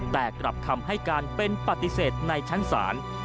แต่กลับคำให้การเป็นปฏิเสธในชั้นศาล